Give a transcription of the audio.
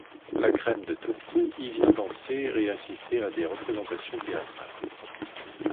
La crème de Turku y vient danser et assister à des représentations théâtrales.